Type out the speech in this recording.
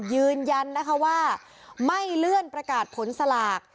ยืนยันนะคะว่าไม่เลื่อนประกาศผลสลาก